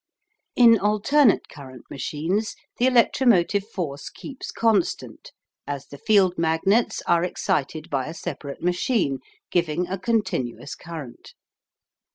In alternate current machines the electromotive force keeps constant, as the field magnets are excited by a separate machine, giving a continuous current.